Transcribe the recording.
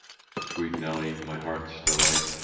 ] 'SWEET Nelly! my heart's delight!